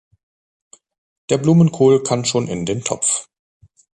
Der Blumenkohl kann schon in den Topf.